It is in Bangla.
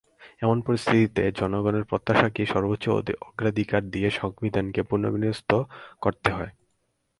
এমন পরিস্থিতিতে জনগণের প্রত্যাশাকেই সর্বোচ্চ অগ্রাধিকার দিয়ে সংবিধানকে পুনর্বিন্যস্ত করতে হয়।